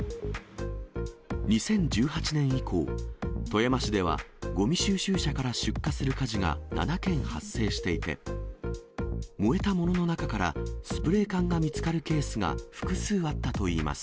２０１８年以降、富山市ではごみ収集車から出火する火事が７件発生していて、燃えたものの中からスプレー缶が見つかるケースが複数あったといいます。